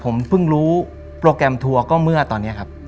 ผมเพิ่งรู้โปรแกรมทัวร์ก็เมื่อตอนนี้ครับ